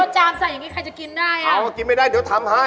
จามใส่อย่างนี้ใครจะกินได้อ่ะอ๋อกินไม่ได้เดี๋ยวทำให้